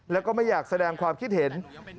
แล้วก็ไม่อยากแสดงความคิดเห็น